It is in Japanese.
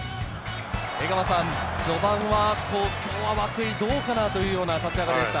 江川さん、序盤は、涌井、どうかな？というような立ち上がりでした。